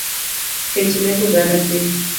Kech nego oganda piny